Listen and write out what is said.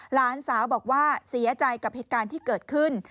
หลานสาวบอกว่าเสียใจกับเหตุการณ์ที่เกิดขึ้น